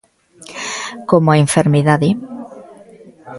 Como a enfermidade.